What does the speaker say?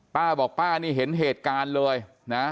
ป้าบอกป้านี่เห็นเหตุการณ์เลยนะ